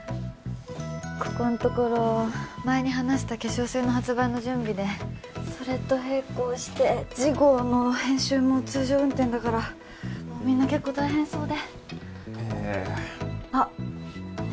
ここんところ前に話した化粧水の発売の準備でそれと並行して次号の編集も通常運転だからもうみんな結構大変そうでへえあっ